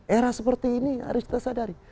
era seperti ini harus kita sadari